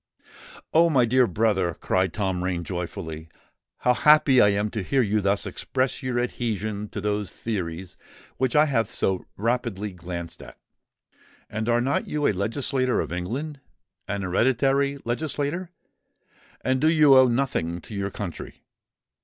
"Oh! my dear brother," cried Tom Rain joyfully, "how happy I am to hear you thus express your adhesion to those theories which I have so rapidly glanced at. And are not you a legislator of England—an hereditary legislator? and do you owe nothing to your country?